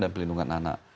dan pelindungan anak